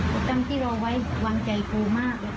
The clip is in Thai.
กรรมที่เราไว้วางใจคุณมาก